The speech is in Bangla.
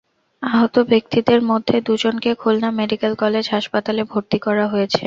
আহত ব্যক্তিদের মধ্যে দুজনকে খুলনা মেডিকেল কলেজ হাসপাতালে ভর্তি করা হয়েছে।